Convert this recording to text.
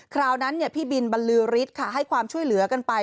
คราวนั้นพี่บินบรรลือฤทธิ์ค่ะให้ความช่วยเหลือกันไป